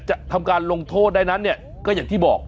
จะทำการลงโทษได้นั้นเนี่ยก็อย่างที่บอก